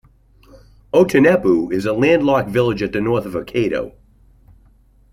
Otoineppu is a landlocked village at the north of Hokkaido.